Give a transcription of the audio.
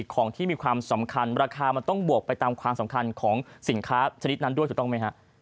ของที่มีความสำคัญราคามันต้องบวกไปตามความสำคัญของสินค้าชนิดนั้นด้วยถูกต้องไหมฮะ